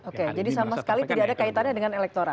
oke jadi sama sekali tidak ada kaitannya dengan elektoral